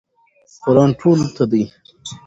قرآن ټولو ته دی.